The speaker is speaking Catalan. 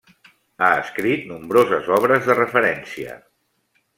Ha escrit nombroses obres de referència.